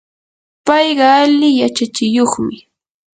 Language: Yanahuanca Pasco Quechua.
payqa ali yachachikuqmi.